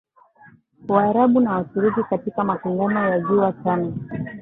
Waarabu na Waturuki katika mapingano ya ziwa Tana